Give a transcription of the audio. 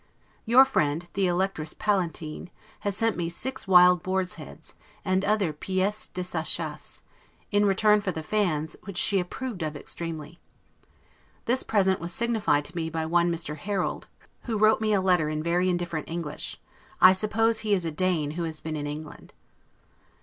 Your friend, the Electress Palatine, has sent me six wild boars' heads, and other 'pieces de sa chasse', in return for the fans, which she approved of extremely. This present was signified to me by one Mr. Harold, who wrote me a letter in very indifferent English; I suppose he is a Dane who has been in England.